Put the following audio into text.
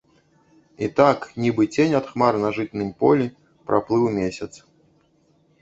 І так, нібы цень ад хмар на жытнім полі, праплыў месяц.